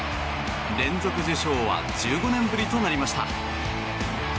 連続受賞は１５年ぶりとなりました。